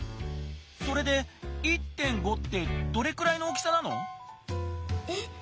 それで「１．５」ってどれくらいの大きさなの？え？